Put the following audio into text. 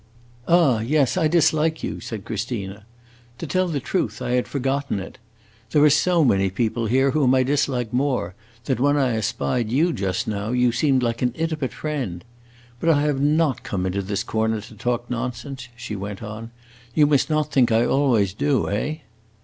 "Ah yes, I dislike you," said Christina. "To tell the truth, I had forgotten it. There are so many people here whom I dislike more, that when I espied you just now, you seemed like an intimate friend. But I have not come into this corner to talk nonsense," she went on. "You must not think I always do, eh?"